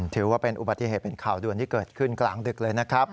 ถือว่าเป็นอุบัติเหตุเป็นข่าวด่วนที่เกิดขึ้นกลางดึกเลยนะครับ